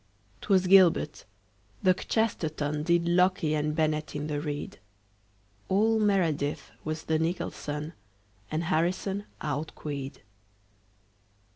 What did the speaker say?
'Twas gilbert. The kchesterton Did locke and bennett in the reed. All meredith was the nicholson, And harrison outqueed.